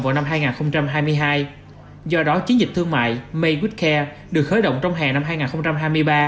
vào năm hai nghìn hai mươi hai do đó chiến dịch thương mại made with care được khởi động trong hè năm hai nghìn hai mươi ba